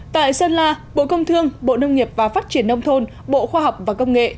tại sơn la bộ công thương bộ nông nghiệp và phát triển nông thôn bộ khoa học và công nghệ